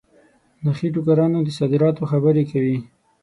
نخې ټوکرانو د صادراتو خبري کوي.